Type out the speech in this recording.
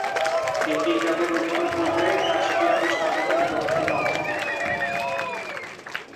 এটি ইরানের উত্তর-পূর্বে কাস্পিয়ান সাগরের দক্ষিণে অবস্থিত।